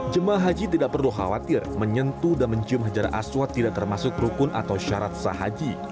jemaah haji tidak perlu khawatir menyentuh dan mencium hajar aswad tidak termasuk rukun atau syarat sah haji